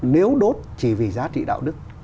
nếu đốt chỉ vì giá trị đạo đức